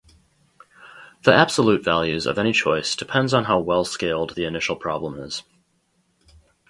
The absolute values of any choice depends on how well-scaled the initial problem is.